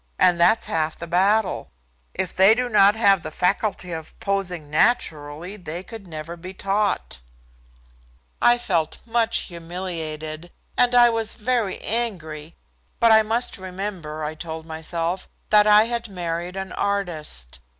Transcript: And that's half the battle. If they do not have the faculty of posing naturally they could never be taught." I felt much humiliated, and I was very angry, but I must remember, I told myself, that I had married an artist.